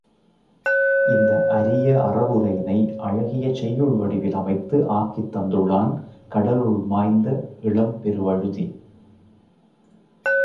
இந்த அரிய அறவுரையினை, அழகிய செய்யுள் வடிவில் அமைத்து ஆக்கித் தந்துள்ளான், கடலுள் மாய்ந்த இளம்பெருவழுதி.